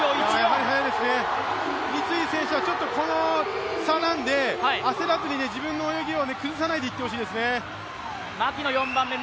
やはり速いですね、三井選手はこの差なんで焦らずに自分の泳ぎを崩さないでいってほしいですね。